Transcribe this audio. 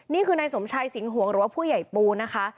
นี่คือนายสมชัยสิงหวงหรือว่าผู้ใหญ่ปูนะคะ